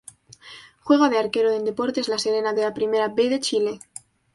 Juega de Arquero en Deportes La Serena de la Primera B de Chile.